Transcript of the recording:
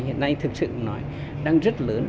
hiện nay thực sự đang rất lớn